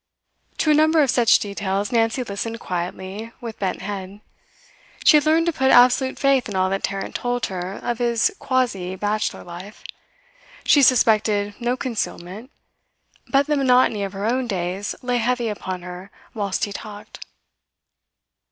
To a number of such details Nancy listened quietly, with bent head. She had learned to put absolute faith in all that Tarrant told her of his quasi bachelor life; she suspected no concealment; but the monotony of her own days lay heavy upon her whilst he talked.